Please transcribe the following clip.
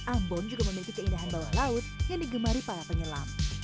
ambon juga memiliki keindahan bawah laut yang digemari para penyelam